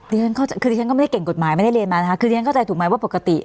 คือที่ฉันก็ไม่ได้เก่งกฎหมายไม่ได้เรียนมานะคะคือที่ฉันเข้าใจถูกไหมว่าปกติ